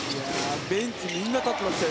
ベンチみんな立ってましたよ